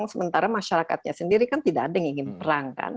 sementara masyarakatnya sendiri kan tidak ada yang ingin perang kan